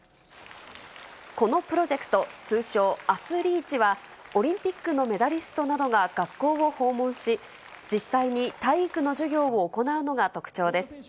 このプロジェクト、通称、アスリーチは、オリンピックのメダリストなどが学校を訪問し、実際に体育の授業を行うのが特徴です。